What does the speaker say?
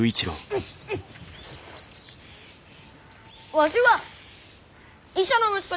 わしは医者の息子ですき。